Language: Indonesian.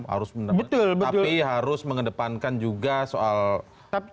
harus menempatkan tapi harus mengedepankan juga soal masyarakatan katanya